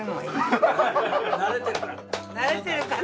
慣れてるから。